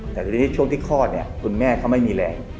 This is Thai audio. แต่ทีนี้ช่วงที่คลอดเนี่ยคุณแม่เขาไม่มีแรง